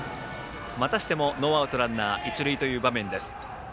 またしてもノーアウトランナー、一塁という場面です。